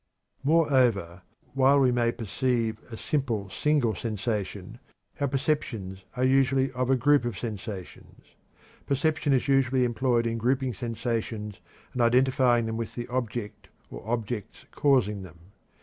Moreover, while we may perceive a simple single sensation, our perceptions are usually of a group of sensations. Perception is usually employed in grouping sensations and identifying them with the object or objects causing them.